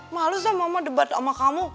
malu sama mama debat sama kamu